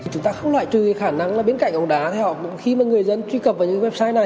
chúng ta không loại trừ khả năng là bên cạnh bóng đá thì khi mà người dân truy cập vào những website này